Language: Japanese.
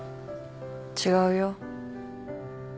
違うよ。